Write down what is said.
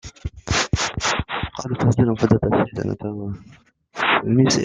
Sachant leurs mauvaises relations, il essaie de jouer l'un contre l'autre.